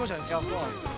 ◆そうなんですよ。